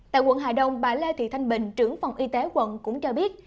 tại quận hà đông bà lê thị thanh bình trưởng phòng y tế quận cũng cho biết